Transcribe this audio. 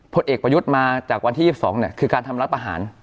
พลต์เอกประยุทธมาจากวันที่ยิบสองเนี่ยคือการทำรัฐประหาร